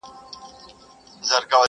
په خندا يې مچولم غېږ يې راکړه؛